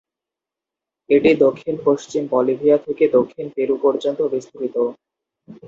এটি দক্ষিণ-পশ্চিম বলিভিয়া থেকে দক্ষিণ পেরু পর্যন্ত বিস্তৃত।